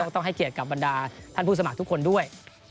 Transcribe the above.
ต้องให้เกียรติกับบรรดาท่านผู้สมัครทุกคนด้วย